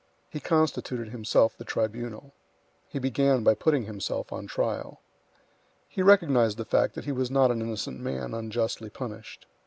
He constituted himself the tribunal. He began by putting himself on trial. He recognized the fact that he was not an innocent man unjustly punished.